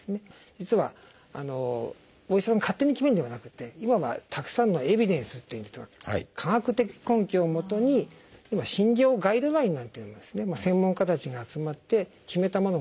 実はお医者さんが勝手に決めるんではなくて今はたくさんのエビデンスっていうんですが科学的根拠をもとに今診療ガイドラインなんていうもの専門家たちが集まって決めたものがあります。